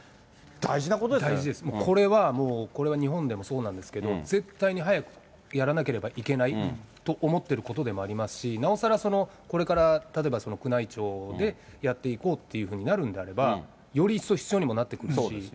大事です、これは日本でもそうなんですけど、絶対に早くやらなきゃいけないと思ってることでもありますし、なおさらこれから例えば宮内庁でやっていこうっていうふうになるんであれば、より一層必要にもなってくるし。